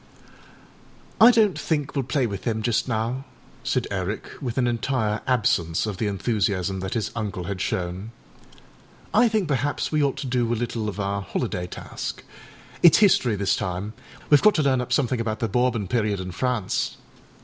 â âI donât think weâll play with them just now,â said Eric, with an entire absence of the enthusiasm that his uncle had shown; âI think perhaps we ought to do a little of our holiday task. Itâs history this time; weâve got to learn up something about the Bourbon period in France.